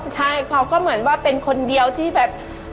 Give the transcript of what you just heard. ใช่เขาก็เหมือนว่าเป็นคนเดียวที่แบบ